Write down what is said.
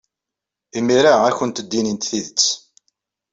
Imir-a ad awent-d-inint tidet.